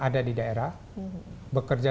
ada di daerah bekerja